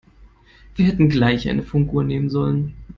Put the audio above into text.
Wir hätten gleich eine Funkuhr nehmen sollen.